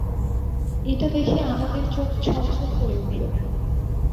এটা দেখে আমাদের চোখ ছলছল করে উঠল।